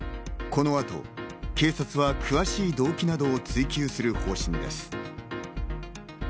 この後、警察は詳しい動機などを追及する方針です。